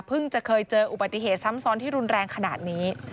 จะเคยเจออุบัติเหตุซ้ำซ้อนที่รุนแรงขนาดนี้